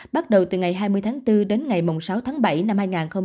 bắt đầu từ ngày hai mươi tháng bốn đến ngày sáu tháng bảy năm hai nghìn hai mươi